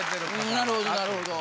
なるほどなるほど。